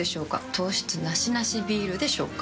糖質ナシナシビールでしょうか？